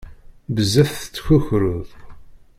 Bezzaf tettkukruḍ.